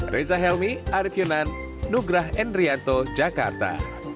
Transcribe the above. reza helmi arief yunan nugrah endrianto jakarta